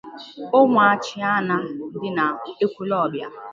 Ụmụachịana dị n'Ekwulọbịa